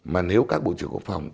mà nếu các bộ trưởng quốc phòng